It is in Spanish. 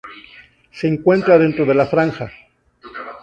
Se encuentra dentro de la Franja.